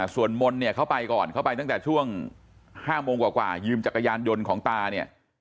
ส่วนมนต์เนี่ยเขาไปก่อนเข้าไปตั้งแต่ช่วง๕โมงกว่ายืมจักรยานยนต์ของตาเนี่ย